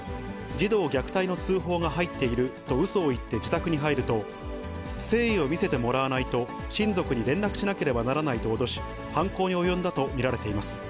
児童虐待の通報が入っているとうそを言って自宅に入ると、誠意を見せてもらわないと、親族に連絡しなければならないと脅し、犯行に及んだと見られています。